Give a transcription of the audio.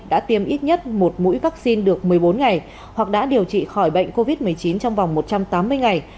đã tiêm ít nhất một mũi vaccine được một mươi bốn ngày hoặc đã điều trị khỏi bệnh covid một mươi chín trong vòng một trăm tám mươi ngày